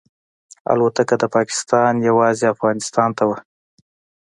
الوتکه د پاکستان یوازې افغانستان ته وه.